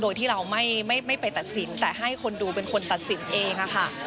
โดยที่เราไม่ไปตัดสินแต่ให้คนดูเป็นคนตัดสินเองค่ะ